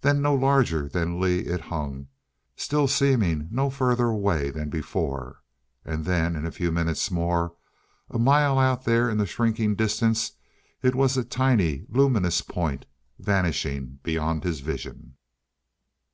Then no larger than Lee it hung, still seemingly no further away than before. And then in a few minutes more, a mile out there in the shrinking distance, it was a tiny luminous point, vanishing beyond his vision.